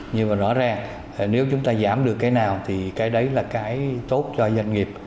nhưng mà rõ ràng nếu chúng ta giảm được cái nào thì cái đấy là cái tốt cho doanh nghiệp